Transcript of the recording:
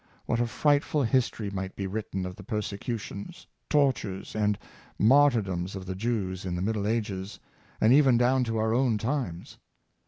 What a frightful history might be written of the persecutions, tortures and martyrdoms of the Jews in the Middle Ages, and even down to our own times.